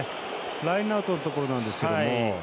ラインアウトのところなんですが。